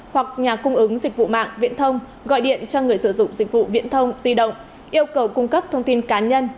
hoặc nhà cung ứng dịch vụ mạng viễn thông gọi điện cho người sử dụng dịch vụ viễn thông di động yêu cầu cung cấp thông tin cá nhân